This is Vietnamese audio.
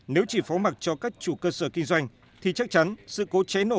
nếu chỉ phóng mặt cho các chủ cơ sở kinh doanh thì chắc chắn sự cố cháy nổ